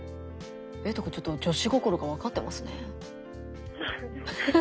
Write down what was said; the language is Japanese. えいとくんちょっと女子心が分かってますね。